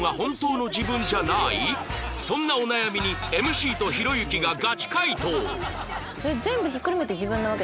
そんなお悩みに ＭＣ とひろゆきがガチ回答